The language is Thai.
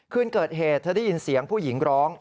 คืนเกิดเหตุเธอได้ยินเสียงผู้หญิงร้อง